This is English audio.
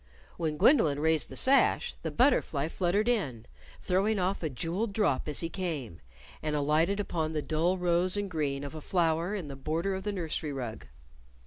When Gwendolyn raised the sash, the butterfly fluttered in, throwing off a jeweled drop as he came and alighted upon the dull rose and green of a flower in the border of the nursery rug.